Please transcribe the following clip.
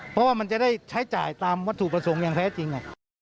เพราะว่ามันจะได้ใช้จ่ายตามวัตถุประสงค์อย่างแท้จริง